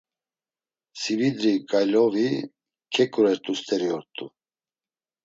Sividrigaylovi keǩurert̆u st̆eri ort̆u.